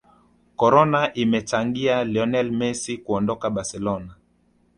corona imechangia lionel messi kuondoka barcelona